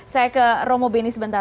saya ke romo beni sebentar